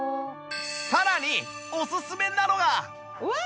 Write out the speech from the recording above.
さらにおすすめなのが